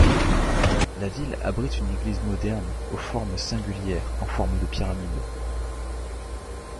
La ville abrite une église moderne aux formes singulières en forme de pyramide.